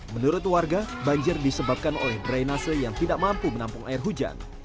menurut warga banjir disebabkan oleh drainase yang tidak mampu menampung air hujan